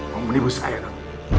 kamu menipu saya kan